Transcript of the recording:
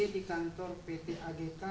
di kantor pt agk